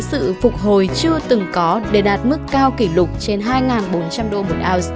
sự phục hồi chưa từng có để đạt mức cao kỷ lục trên hai bốn trăm linh đô một ounce